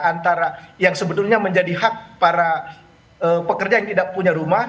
antara yang sebetulnya menjadi hak para pekerja yang tidak punya rumah